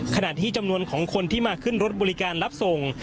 ขณะที่จำนวนของคนที่มาขึ้นรถบริการรับส่ง